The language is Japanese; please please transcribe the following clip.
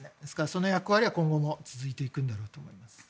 その役割は今後も続いていくんだろうと思います。